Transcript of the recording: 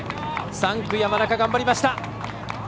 ３区、山中、頑張りました。